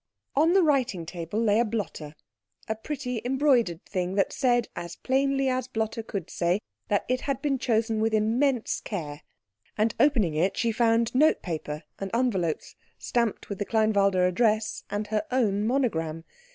On the writing table lay a blotter, a pretty, embroidered thing that said as plainly as blotter could say that it had been chosen with immense care; and opening it she found notepaper and envelopes stamped with the Kleinwalde address and her own monogram.